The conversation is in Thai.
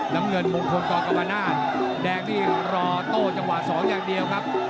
น้ำเงินมงคลกรกรรมนาศแดงนี่รอโต้จังหวะสองอย่างเดียวครับ